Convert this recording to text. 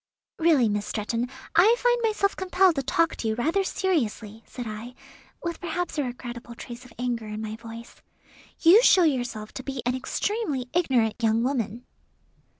"Really, Miss Stretton, I find myself compelled to talk to you rather seriously," said I, with perhaps a regrettable trace of anger in my voice. "You show yourself to be an extremely ignorant young woman."